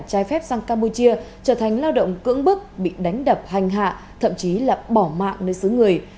trái phép sang campuchia trở thành lao động cưỡng bức bị đánh đập hành hạ thậm chí là bỏ mạng nơi xứ người